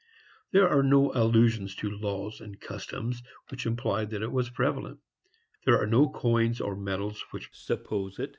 There are no allusions to laws and customs which imply that it was prevalent. There are no coins or medals which suppose it.